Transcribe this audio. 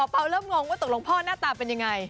เปล่าเริ่มงงว่าตกลงพ่อหน้าตาเป็นยังไง